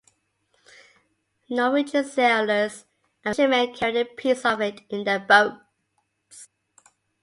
Norwegian sailors and fishermen carry a piece of it in their boats.